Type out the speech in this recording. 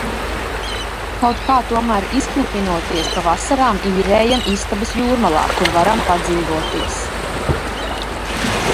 Kaut kā tomēr izknapinoties pa vasarām īrējam istabas Jūrmalā kur varam padzīvoties.